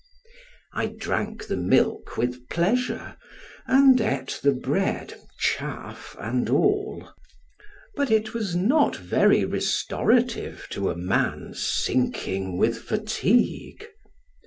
I drank the milk with pleasure, and ate the bread, chaff and all; but it was not very restorative to a man sinking with fatigue.